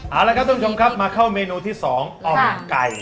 เอาละครับท่านผู้ชมครับมาเข้าเมนูที่๒อ่อมไก่